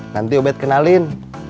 nanti ubed kenalin